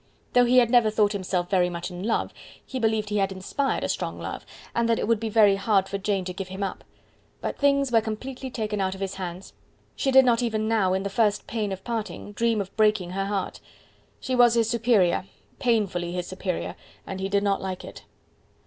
Though he had never thought himself very much in love, he believed he had inspired a strong love, and that it would be very hard for Jane to give him up. But things were completely taken out of his hands; she did not even now, in the first pain of parting, dream of breaking her heart. She was his superior, painfully his superior, and he did not like it.